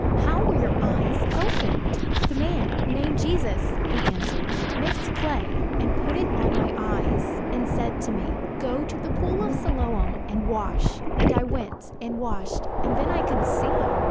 "How were your eyes opened?" "The man, named Jesus," he answered, "mixed clay, and put it on my eyes, and said to me, 'Go to the pool of Siloam and wash,' and I went and washed, and then I could see."